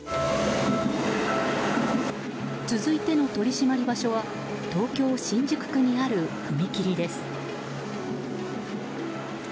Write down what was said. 続いての取り締まり場所は東京・新宿区にある踏切です。